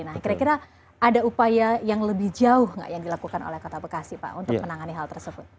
nah kira kira ada upaya yang lebih jauh nggak yang dilakukan oleh kota bekasi pak untuk menangani hal tersebut